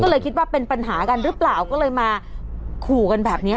ก็เลยคิดว่าเป็นปัญหากันหรือเปล่าก็เลยมาขู่กันแบบนี้